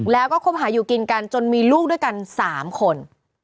แล้วก็คบหาอยู่กินกันจนมีลูกด้วยกัน๓คน